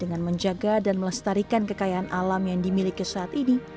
dengan menjaga dan melestarikan kekayaan alam yang dimiliki saat ini